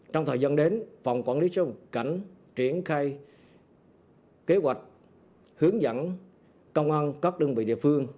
trong thời gian đến phòng quản lý xuất nhập cảnh triển khai kế hoạch hướng dẫn công an các đơn vị địa phương